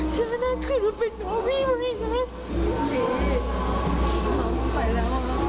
ฉันน่าคิดว่าเป็นน้องพี่ไว้นะ